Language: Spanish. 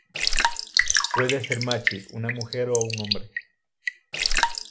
Puede ser machi una mujer o un hombre.